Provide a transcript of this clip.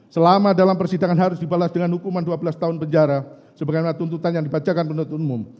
selama dalam persidangan harus dibalas dengan hukuman dua belas tahun penjara sebagaimana tuntutan yang dibacakan penuntut umum